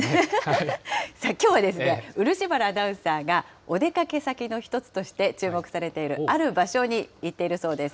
きょうは、漆原アナウンサーが、お出かけ先の一つとして注目されているある場所に行っているそうです。